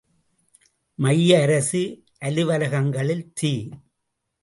மைய அரசு அலுவலகங்களில் தீ!